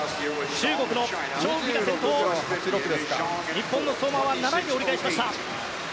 日本の相馬は７位で折り返しました。